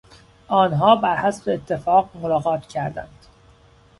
آنها برحسب اتفاق ملاقات کردند.